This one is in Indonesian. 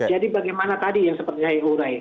jadi bagaimana tadi yang seperti air air